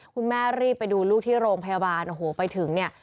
คุณแม่รีบไปดูลูกที่โรงพยาบาลโอ้โหไปถึงเนี่ย